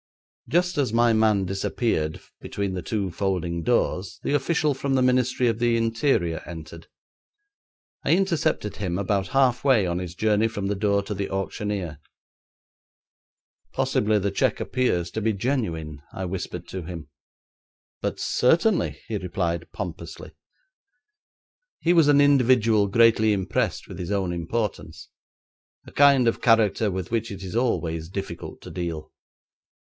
Just as my man disappeared between the two folding doors the official from the Ministry of the Interior entered. I intercepted him about half way on his journey from the door to the auctioneer. 'Possibly the cheque appears to be genuine,' I whispered to him. 'But certainly,' he replied pompously. He was an individual greatly impressed with his own importance; a kind of character with which it is always difficult to deal.